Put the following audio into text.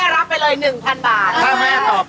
อร่อยไหม